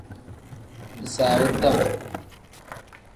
Bisaawu tam.